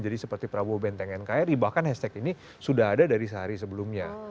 jadi seperti prabowo benteng nkri bahkan hashtag ini sudah ada dari sehari sebelumnya